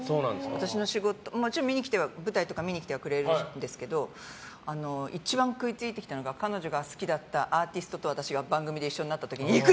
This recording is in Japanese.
私の舞台とかを見に来てくれるんですけど一番食いついてきたのが彼女が好きだったアーティストと私が番組で一緒になった時に行く！